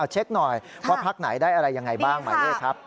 เช็คหน่อยว่าพักไหนได้อะไรยังไงบ้างหมายเลขครับ